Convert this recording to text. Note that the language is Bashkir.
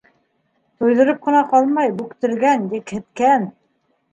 Туйҙырып ҡына ҡалмай, бүктергән, екһеткән.